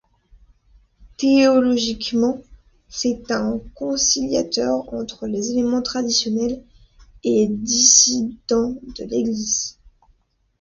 Théologiquement, c'est un conciliateur entre les éléments traditionnels et dissidents de l'Église.